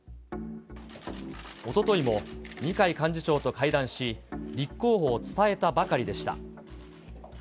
おとといも二階幹事長と会談し、立候補を伝えたばかりでした。